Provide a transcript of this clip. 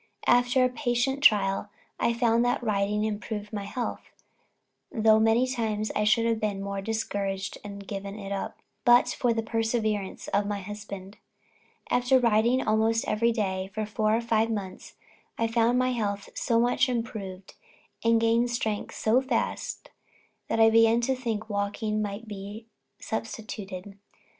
After a patient trial, I found that riding improved my health; though many times I should have become discouraged and given it up, but for the perseverance of my husband. After riding almost every day, for four or five months, I found my health so much improved, and gained strength so fast, that I began to think walking might be substituted.